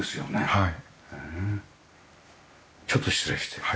はい。